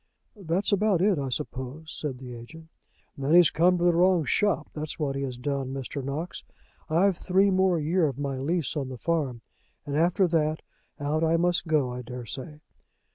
"That's about it, I suppose," said the agent. "Then he's come to the wrong shop, that's what he has done, Mr. Knox. I've three more year of my lease of the farm, and after that, out I must go, I dare say."